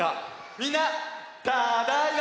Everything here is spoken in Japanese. みんなただいま！